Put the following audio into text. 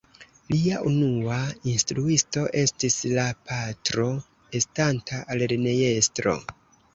Lia unua instruisto estis la patro estanta lernejestro.